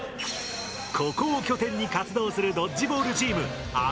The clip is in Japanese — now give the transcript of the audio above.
ここを拠点に活動するドッジボールチームＡＢＬＡＺＥ